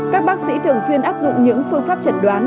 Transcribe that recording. các bác sĩ thường xuyên áp dụng những phương pháp chẩn đoán